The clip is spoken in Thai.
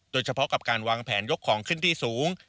โดยเฉพาะกับการวางแผนยกของขึ้นที่สูง